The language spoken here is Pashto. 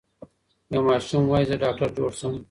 یو ماشوم وايي زه ډاکټر جوړ شم.